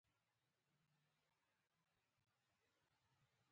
تسليم نشې، بريا وخت غواړي.